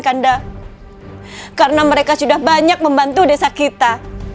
karena mereka sudah banyak membantu desa kita